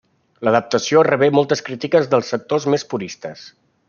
L'adaptació rebé moltes crítiques dels sectors més puristes.